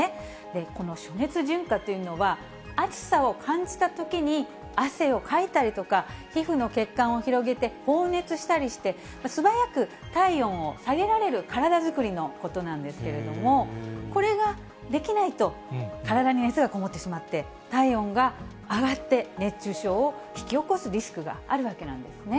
この暑熱馴化というのは、暑さを感じたときに、汗をかいたりとか、皮膚の血管を広げて、放熱したりして、素早く体温を下げられる体作りのことなんですけれども、これができないと、体に熱が籠もってしまって、体温が上がって、熱中症を引き起こすリスクがあるわけなんですね。